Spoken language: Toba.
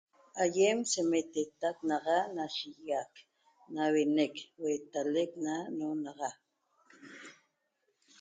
Aiem sa meteteq naxa shiguiac nahueneq hueteleq na nenaxa